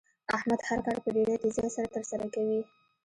احمد هر کار په ډېرې تېزۍ سره تر سره کوي.